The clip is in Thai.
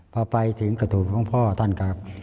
พอไปถึงกระทุบหลวงพ่อท่านกราบ